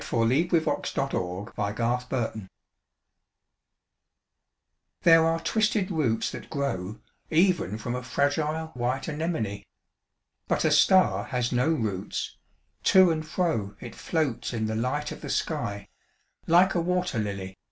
DiqllzodbvCoOgle STAR SONG These are twisted roots that grow Even from a fragile white anemone. 'But a star has no roots : to and fro It floats in the light of the sky, like a wat«r ]ily.